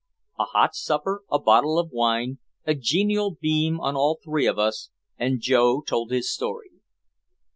A hot supper, a bottle of wine, a genial beam on all three of us, and Joe told his story.